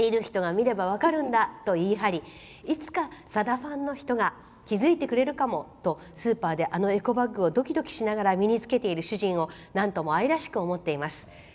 見る人が見れば分かるんだと言い張りいつか、さだファンの人が気付いてくれるかもとスーパーで、あのエコバッグをドキドキしながら身に着けている主人をなんとも愛らしく思っています。